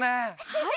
はい！